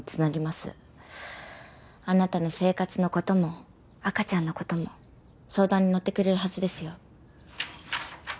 あなたの生活の事も赤ちゃんの事も相談に乗ってくれるはずですよ。